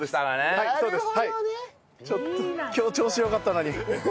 ちょっと今日調子良かったのに。